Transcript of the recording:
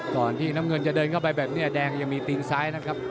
ที่น้ำเงินจะเดินเข้าไปแบบนี้แดงยังมีตีนซ้ายนะครับ